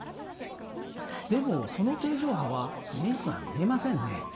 でもその定常波は目には見えませんね。